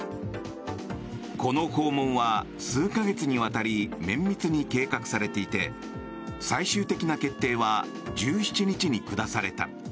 この訪問は数か月にわたり綿密に計画されていて最終的な決定は１７日に下された。